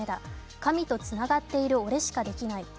神とつながっている俺しかできない。